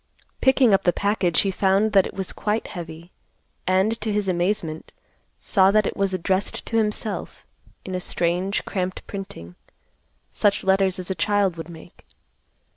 Picking up the package he found that it was quite heavy, and, to his amazement, saw that it was addressed to himself, in a strange, cramped printing, such letters as a child would make.